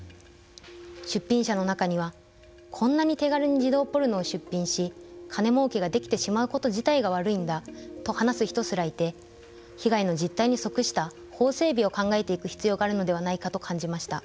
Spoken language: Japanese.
出品者の中には、こんなに手軽に児童ポルノを出品し、金もうけができてしまうこと自体が悪いんだと話す人すらいて被害の実態に即した法整備を考えていく必要があるのではないかと感じました。